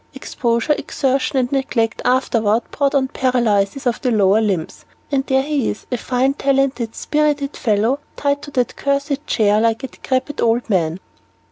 Exposure, exertion, and neglect afterward brought on paralysis of the lower limbs, and there he is a fine, talented, spirited fellow tied to that cursed chair like a decrepit old man."